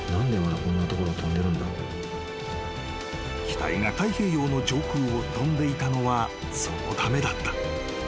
［機体が太平洋の上空を飛んでいたのはそのためだった］